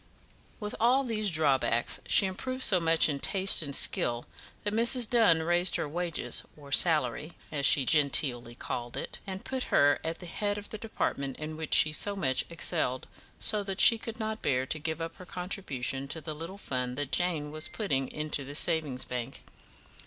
With all these drawbacks she improved so much in taste and skill that Mrs. Dunn raised her wages or salary, as she genteelly called it and put her at the head of the department in which she so much excelled, so that she could not bear to give up her contribution to the little fund that Jane was putting into the Savings Bank.